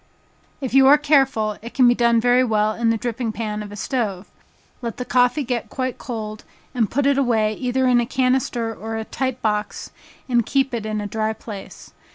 If you are careful, it can be done very well in the dripping pan of a stove. Let the coffee get quite cold, and put it away either in a canister or tight box, and keep it in a dry place.